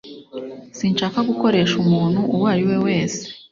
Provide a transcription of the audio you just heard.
Sinshaka gukoresha umuntu uwo ari we wese.